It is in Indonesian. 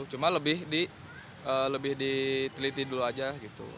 cuma lebih diteliti dulu aja gitu